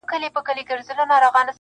دکرم سیوری چي دي وسو پر ما-